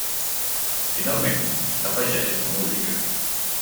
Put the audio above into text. Finalment, s'afegeix la música.